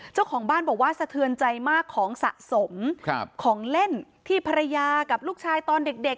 เจ้าของบ้านบอกว่าสะเทือนใจมากของสะสมของเล่นที่ภรรยากับลูกชายตอนเด็ก